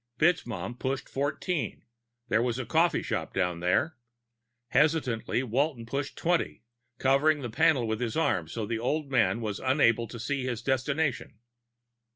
FitzMaugham pushed Fourteen; there was a coffee shop down there. Hesitantly, Walton pushed twenty, covering the panel with his arm so the old man would be unable to see his destination.